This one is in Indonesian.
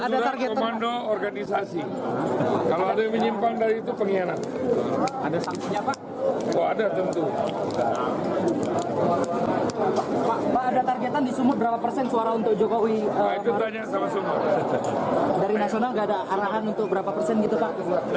dari nasional gak ada arahan untuk berapa persen gitu pak